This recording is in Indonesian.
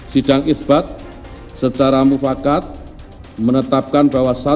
sidang isbat secara mufakat menetapkan bahwa